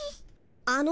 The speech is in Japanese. あの。